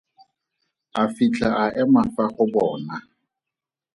A fitlha a ema fa go bona.